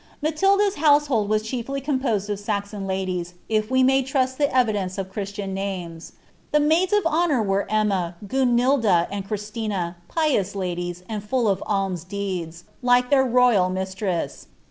"' Matilda's household was chiefly composed of Saxon ladies, if we may trust the evidence (^ Christian names. The maids of honour were Emma, Gunilda, and Christina, pious ladies, and full of alms deeds, like their ro3ral mistress.